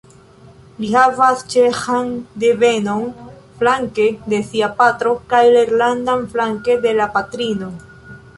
Li havas ĉeĥan devenon flanke de sia patro kaj irlandan flanke de la patrino.